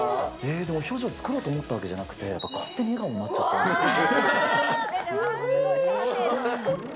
でも表情は作ろうと思ったわけじゃなくて、やっぱ勝手に笑顔になっちゃったんですよね。